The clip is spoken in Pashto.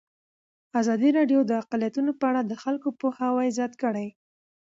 ازادي راډیو د اقلیتونه په اړه د خلکو پوهاوی زیات کړی.